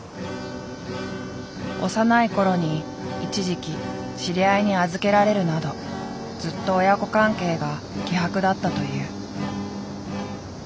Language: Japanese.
幼い頃に一時期知り合いに預けられるなどずっと親子関係が希薄だったという。